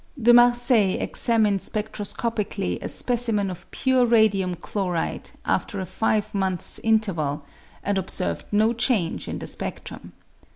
Demargayexamined spectro scopically a specimen of pure radium chloride after a five months' interval, and observed no change in the spectrum.